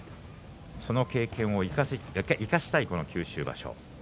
経験を生かしたい九州場所。